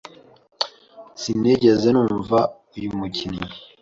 Sinigeze numva uyu mukinnyi.